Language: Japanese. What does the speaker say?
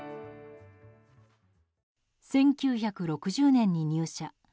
１９６０年に入社。